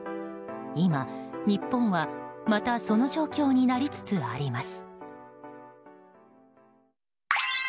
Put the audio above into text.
今、日本はまたその状況になりつつあります。